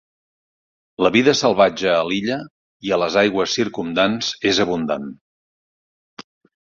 La vida salvatge a l'illa i a les aigües circumdants és abundant.